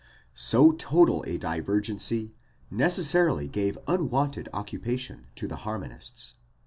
So total a divergency necessarily gave unwonted occupation to the harmon ists.